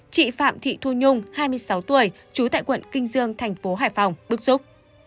chị phạm thị thu nhung hai mươi sáu tuổi trú tại quận kinh dương thành phố hải phòng bức xúc